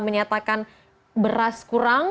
menyatakan beras kurang